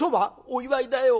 「お祝いだよ。